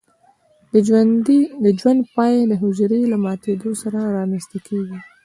د ژوند پای د حجره له ماتیدو سره رامینځته کیږي.